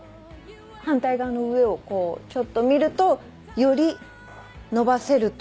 反対側の上をこうちょっと見るとより伸ばせると思います。